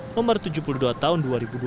nomor tujuh puluh dua tahun dua ribu dua puluh